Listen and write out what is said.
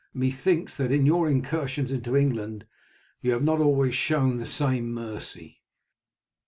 Methinks that in your incursions into England you have not always shown the same mercy."